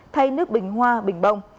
thay nước bình hoa bình bông